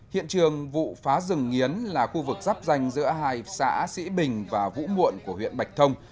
hiện trường vụ phá rừng nghiến là khu vực giáp danh giữa hai xã sĩ bình và vũ muộn của huyện bạch thông